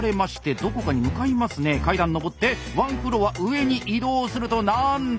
階段上って１フロア上に移動するとなんだ。